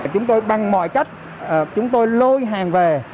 chúng tôi bằng mọi cách chúng tôi lôi hàng về